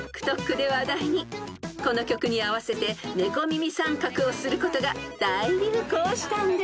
［この曲に合わせて猫耳さんかくをすることが大流行したんです］